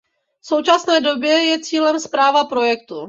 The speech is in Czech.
V současné době je cílem správa projektu.